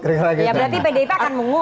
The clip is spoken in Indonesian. ya berarti pdip akan mengusu